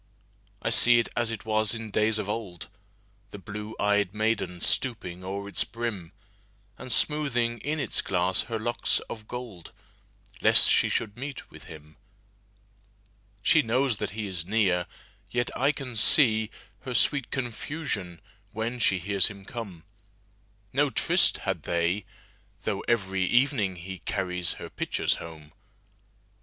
I see it as it was in days of old, The blue ey'd maiden stooping o'er its brim, And smoothing in its glass her locks of gold, Lest she should meet with him. She knows that he is near, yet I can seeHer sweet confusion when she hears him come.No tryst had they, though every evening heCarries her pitchers home.